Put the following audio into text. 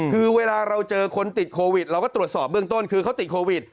คือเวลาเราเจอคนติดโควิดเราก็ตรวจสอบเบื้องต้นคือเขาติดโควิด